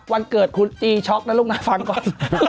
วันเกิดคุณอีช็อกนะลูกนะฟังก่อน